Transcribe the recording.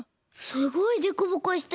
すごいでこぼこしてる。